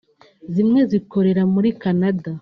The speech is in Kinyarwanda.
zimwe zikorera muri Canada